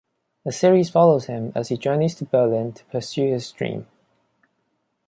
The series follows him as he journeys to Berlin to pursue his dream.